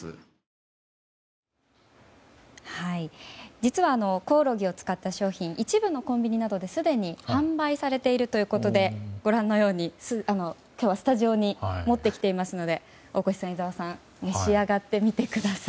実はコオロギを使った商品は一部のコンビニなどで、すでに販売されているということでご覧のように今日はスタジオに持ってきていますので大越さん、井澤さん召し上がってみてください。